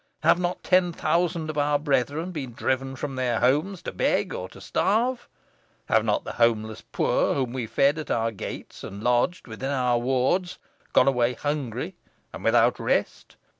Have not ten thousand of our brethren been driven from their homes to beg or to starve? Have not the houseless poor, whom we fed at our gates, and lodged within our wards, gone away hungry and without rest?